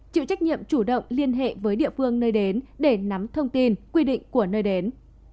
chịu trách nhiệm chủ động liên hệ với địa phương nơi đến để nắm thông tin quy định của nơi đến